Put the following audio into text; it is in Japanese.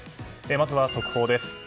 まずは速報です。